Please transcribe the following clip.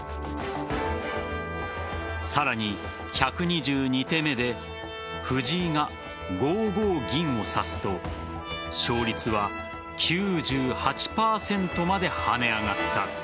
さらに、１２２手目で藤井が５五銀を指すと勝率は９８％まで跳ね上がった。